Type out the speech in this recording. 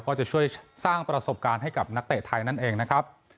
ก็จะช่วยสร้างประสบการณ์ให้กับนักเตะไทยนั่นเองนะครับ